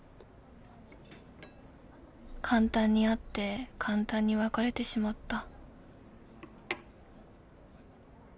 簡単に会って簡単に別れてしまった